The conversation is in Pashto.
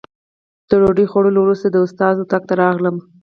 د ډوډۍ خوړلو وروسته د استاد اتاق ته راغلم.